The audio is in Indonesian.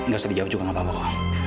gak usah dijawab juga gak apa apa kok